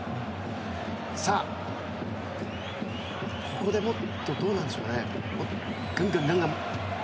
ここでもっとどうなんでしょうね。